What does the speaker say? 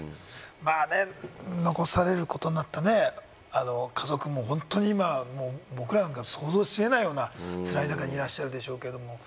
残されることになった家族も本当に今、僕らなんか想像し得ないような、つらい中にいらっしゃるんでしょうけれども。